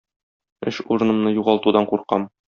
Эш урынымны югалтудан куркам.